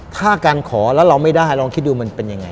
ถ้าการขอแล้วเราไม่ได้ลองคิดดูมันเป็นยังไง